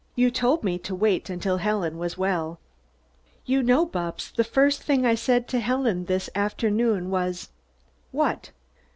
"You told me to wait until Helen was well." "You know, Bupps the first thing I said to Helen this this afternoon was " "What?"